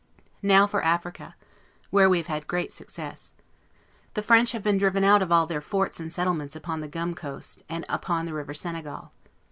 237 Now for Africa, where we have had great success. The French have been driven out of all their forts and settlements upon the Gum coast, and upon the river Senegal.